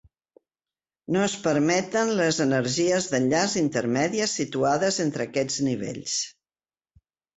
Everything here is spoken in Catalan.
No es permeten les energies d'enllaç intermèdies situades entre aquests nivells.